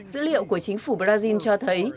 dữ liệu của chính phủ brazil cho thấy